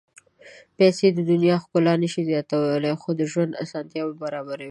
پېسې د دنیا ښکلا نه شي زیاتولی، خو د ژوند اسانتیاوې برابروي.